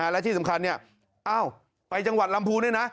และที่สำคัญไปจังหวัดลำพูนด้วยนะ